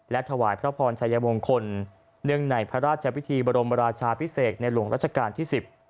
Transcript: และถวายพระพรชัยมงคลเนื่องในพระราชพิธีบรมราชาพิเศษในหลวงรัชกาลที่๑๐